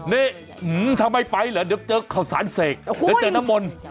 นี่ทำไมไปเหรอเดี๋ยวเจอข่าวสารเสกเดี๋ยวเจอน้ำมนต์